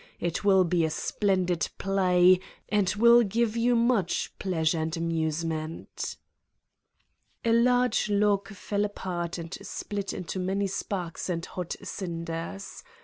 It will be a splendid play and will give you much pleasure and amusement. ...' A large log fell apart and split into many sparks and hot cinders.